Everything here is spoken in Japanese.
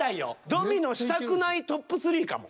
ドミノしたくないトップ３かも。